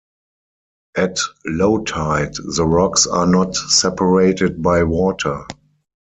At low tide, the rocks are not separated by water.